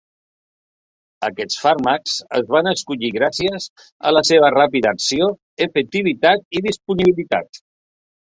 Aquests fàrmacs es van escollir gràcies a la seva ràpida acció, efectivitat i disponibilitat.